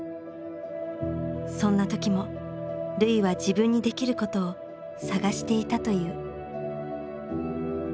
そんな時も瑠唯は自分にできることを探していたという。